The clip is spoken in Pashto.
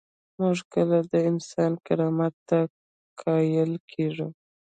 موږ کله د انسان کرامت ته قایل کیږو؟